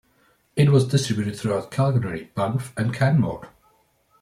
It was distributed throughout Calgary, Banff and Canmore.